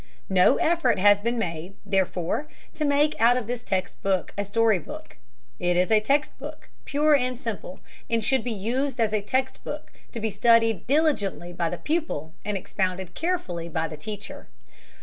No effort has been made, therefore, to make out of this text book a story book. It is a text book pure and simple, and should be used as a text book, to be studied diligently by the pupil and expounded carefully by the teacher.